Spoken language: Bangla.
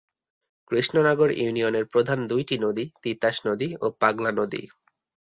কৃষ্ণনগর ইউনিয়নের প্রধান দুইটি নদী তিতাস নদী ও পাগলা নদী।